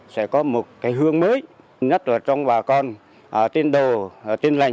sẽ có một hướng mới nhất trong bà con tiên đồ tiên lành